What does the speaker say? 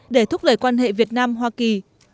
để thúc đẩy quan hệ việt nam hoa kỳ